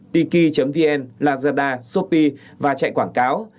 tiki vn lazada shopee và chạy quảng cáo